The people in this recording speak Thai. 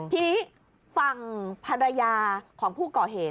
ทีนี้ฝั่งภรรยาของผู้ก่อเหตุ